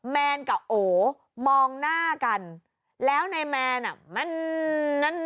แมนกับโอมองหน้ากันแล้วในแมนน่ะ